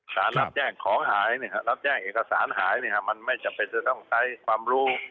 รับแจ้งของหายรับแจ้งเอกสารหายมันไม่จำเป็นจะต้องใช้ความรู้